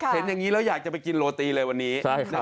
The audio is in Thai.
เห็นอย่างนี้แล้วอยากจะไปกินโรตีเลยวันนี้